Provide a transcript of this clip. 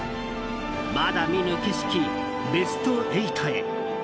まだ見ぬ景色、ベスト８へ。